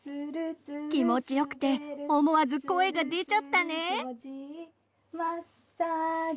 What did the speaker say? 気持ちよくて思わず声が出ちゃったね。